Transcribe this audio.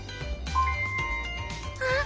あっ！